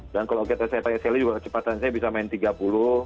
dan kalau saya pakai sally juga kecepatan saya bisa main tiga puluh km